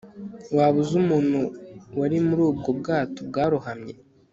Waba uzi umuntu wari muri ubwo bwato bwarohamye